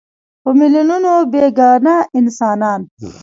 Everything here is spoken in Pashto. په میلیونونو بېګناه انسانان.